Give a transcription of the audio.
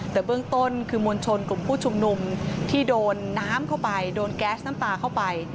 แต่เบื้องต้นคือมวลชนกลุ่มผู้ชุมนุมที่โดนน้ำเข้าไปโดนแก๊สน้ำตาเข้าไป